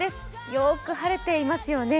よく晴れていますよね。